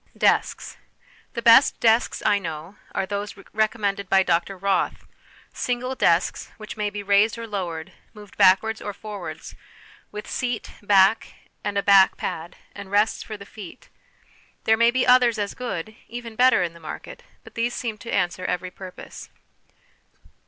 Desks. The best desks I know are those recom mended by Dr Roth, 1 single desks which may be raised or lowered, moved backwards or forwards, with 1 See Appendix A. 240 HOME EDUCATION seat, back, and a back pad, and rests for the feet. There may be others as good, even better, in the market, but these seem to answer every purpose.